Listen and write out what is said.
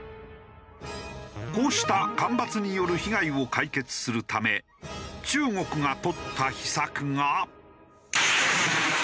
こうした干ばつによる被害を解決するため中国が取った秘策が。